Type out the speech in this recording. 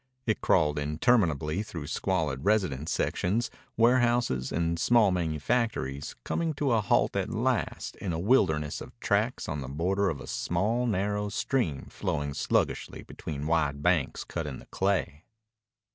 It crawled interminably through squalid residence sections, warehouses, and small manufactories, coming to a halt at last in a wilderness of tracks on the border of a small, narrow stream flowing sluggishly between wide banks cut in the clay.